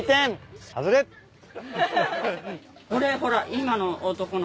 これほら。